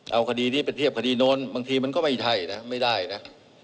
เอาคดีนี้ไปเทียบคดีโน้นบางทีมันก็ไม่ใช่นะไม่ได้นะ